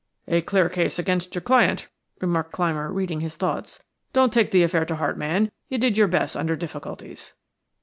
"A clear case against your client," remarked Clymer, reading his thoughts. "Don't take the affair to heart, man; you did your best under difficulties."